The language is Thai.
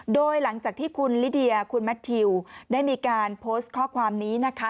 โดยหลังจากที่คุณลิเดียคุณแมททิวได้มีการโพสต์ข้อความนี้นะคะ